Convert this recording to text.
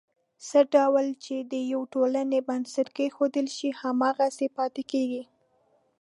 څه ډول چې د یوې ټولنې بنسټ کېښودل شي، هماغسې پاتې کېږي.